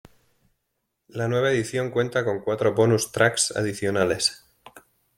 La nueva edición cuenta con cuatro "bonus tracks" adicionales.